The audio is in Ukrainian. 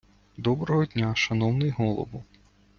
Доброго дня, шановний голово!